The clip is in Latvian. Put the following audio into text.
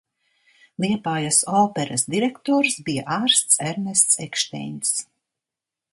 Liepājas operas direktors bija ārsts Ernests Ekšteins.